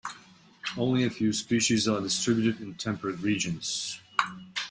Only a few species are distributed in temperate regions.